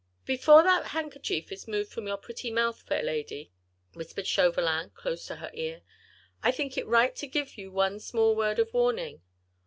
"Before that handkerchief is removed from your pretty mouth, fair lady," whispered Chauvelin close to her ear, "I think it right to give you one small word of warning.